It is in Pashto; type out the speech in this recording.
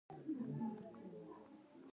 تر درې سوو زیات فلسطینیان شهیدان شول.